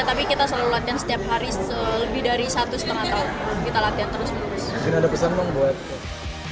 tapi kita selalu latihan setiap hari lebih dari satu setengah tahun kita latihan terus